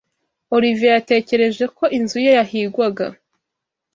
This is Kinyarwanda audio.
Olivier yatekereje ko inzu ye yahigwaga.